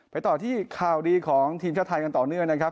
ต่อที่ข่าวดีของทีมชาติไทยกันต่อเนื่องนะครับ